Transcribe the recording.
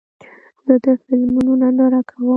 زه د فلمونو ننداره کوم.